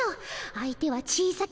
相手は小さき